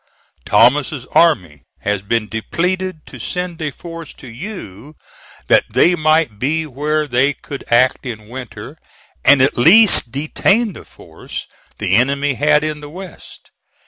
Thomas's army has been depleted to send a force to you that they might be where they could act in winter, and at least detain the force the enemy had in the West.